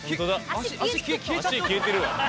脚消えてるわ。